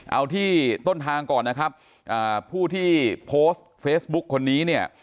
เอาที่ต้นทางก่อนนะครับผู้ที่โพสต์เฟซบุ๊กคนนี้เนี่ย